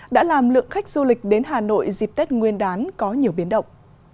đã làm lượng khách du lịch đến hà nội dịp tết nguyên đán có nhiều biến động